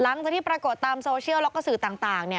หลังจากที่ปรากฏตามโซเชียลแล้วก็สื่อต่าง